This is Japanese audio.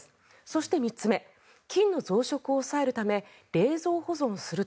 そして３つ目菌の増殖を抑えるため冷蔵保存すると。